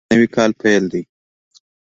ګیلاس د نوي کاله پیل دی.